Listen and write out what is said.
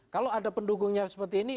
kalau ada pendukungnya seperti ini